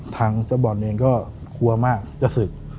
ทางเจ้าบ่อนเองก็กลัวมากจะศึก